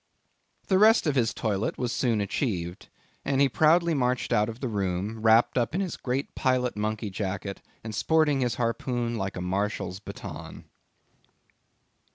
The rest of his toilet was soon achieved, and he proudly marched out of the room, wrapped up in his great pilot monkey jacket, and sporting his harpoon like a marshal's baton.